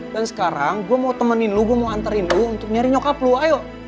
dan sekarang gue mau temenin lo gue mau anterin lo untuk nyari nyokap lo ayo